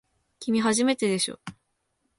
きみ、初めてでしょ。